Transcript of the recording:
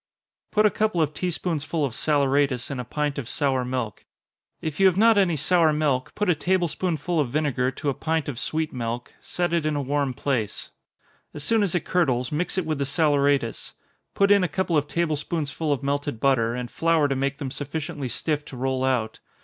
_ Put a couple of tea spoonsful of saleratus in a pint of sour milk. If you have not any sour milk, put a table spoonful of vinegar to a pint of sweet milk, set it in a warm place as soon as it curdles, mix it with the saleratus put in a couple of table spoonfuls of melted butter, and flour to make them sufficiently stiff to roll out.